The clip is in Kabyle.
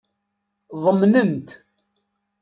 Ḍemnen-t.